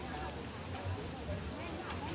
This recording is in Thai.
สวัสดีสวัสดี